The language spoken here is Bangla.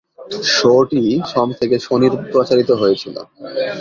শোটি সোম থেকে শনি প্রচারিত হয়েছিলো।